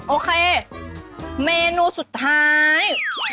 โอเคเมนูสุดท้าย